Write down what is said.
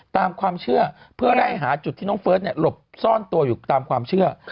ตามความเชื่อเพื่อไล่หาจุดที่น้องเฟิร์สหลบซ่อนตัวอยู่ตามความเชื่อ